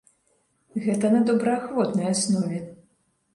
Гэта на добраахвотнай аснове.